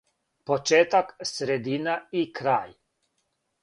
почетак средина и крај